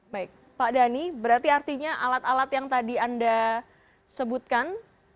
baik pak dhani berarti artinya alat alat yang tadi anda sebutkan